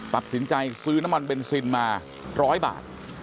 ตัดสินใจซื้อน้ำมันเบนซินมา๑๐๐บาท